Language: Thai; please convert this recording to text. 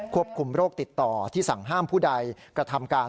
ควบคุมโรคติดต่อที่สั่งห้ามผู้ใดกระทำการ